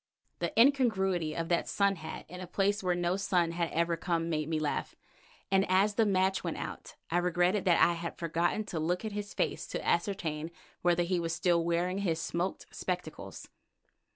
The incongruity of that sun hat in a place where no sun had ever come made me laugh, and as the match went out I regretted that I had forgotten to look at his face to ascertain whether he was still wearing his smoked spectacles.